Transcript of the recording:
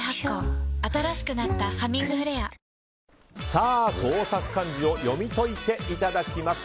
さあ、創作漢字を読み解いていただきます。